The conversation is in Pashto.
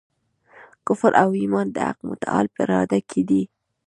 کفر او ایمان د حق متعال په اراده کي دی.